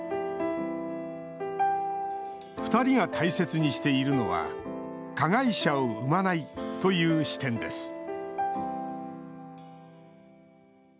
２人が大切にしているのは加害者を生まないという視点です